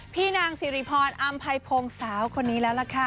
พี่นางสิริพรอำไพพงศ์สาวคนนี้แล้วล่ะค่ะ